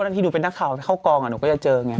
ที่หนูเป็นนักข่าวเข้ากองหนูก็จะเจอไง